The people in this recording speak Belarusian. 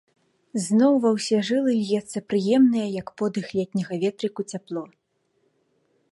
Зноў ва ўсе жылы льецца прыемнае, як подых летняга ветрыку, цяпло.